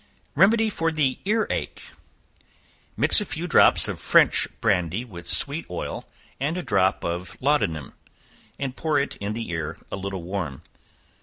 Remedy for the Ear ache. Mix a few drops of French brandy with sweet oil and a drop of laudanum, and pour it in the ear a little warm.